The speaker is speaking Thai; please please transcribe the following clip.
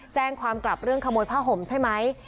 แจ้งความกลับเรื่องขโมยผ้าห่มใช่ไหม